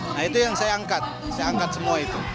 nah itu yang saya angkat saya angkat semua itu